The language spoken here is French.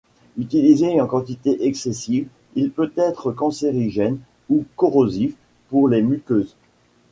Utilisé en quantité excessive, il peut être cancérigène ou corrosif pour les muqueuses.